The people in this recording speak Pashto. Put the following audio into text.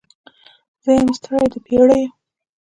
زه یم ستړې د پیړیو